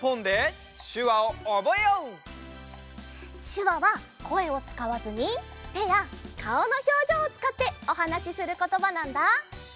しゅわはこえをつかわずにてやかおのひょうじょうをつかっておはなしすることばなんだ。